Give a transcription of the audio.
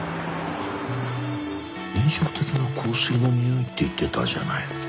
印象的な香水の匂いって言ってたじゃない？